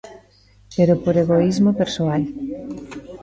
Pero por egoísmo persoal.